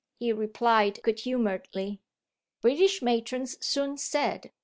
he replied good humouredly. "British matron's soon said!